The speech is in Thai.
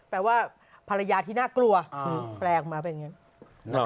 แปลว่าภรรยาที่น่ากลัวแปลออกมาเป็นอย่างนั้น